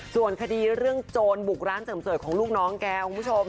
ส่วนคดีเรื่องโจรบุกร้านเสริมสวยของลูกน้องแกคุณผู้ชม